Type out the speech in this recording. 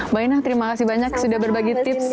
mbak ina terima kasih banyak sudah berbagi tips